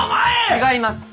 違います。